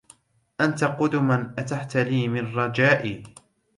أنت قدما أتحت لي من رجائي